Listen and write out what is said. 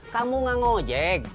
kamu nggak ngejek